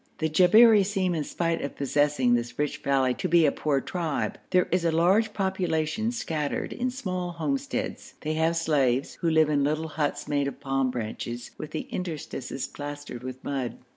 The Jabberi seem, in spite of possessing this rich valley, to be a poor tribe. There is a large population scattered in small homesteads. They have slaves, who live in little huts made of palm branches, with the interstices plastered with mud.